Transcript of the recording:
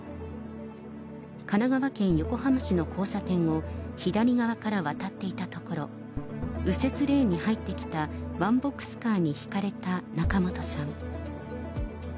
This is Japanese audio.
神奈川県横浜市の交差点を、左側から渡っていたところ、右折レーンに入ってきたワンボックスカーにひかれた仲本さん。